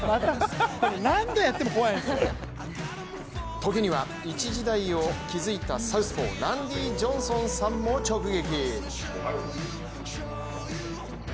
時には、一時代を築いたサウスポーランディ・ジョンソンさんも直撃。